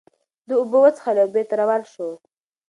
ده اوبه وڅښلې او بېرته روان شو.